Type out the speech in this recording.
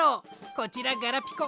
こちらガラピコ。